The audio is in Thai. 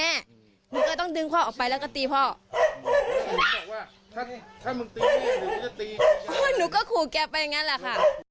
เสื้อดำก็พ่อหนูอะครับ